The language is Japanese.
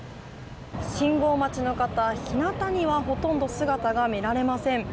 信号待ちの方、日向にはほとんど姿が見られません。